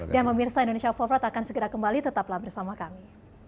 dan memirsa indonesia for flat akan segera kembali tetaplah bersama kami